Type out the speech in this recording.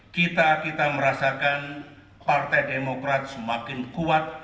kita kita merasakan partai demokrat semakin kuat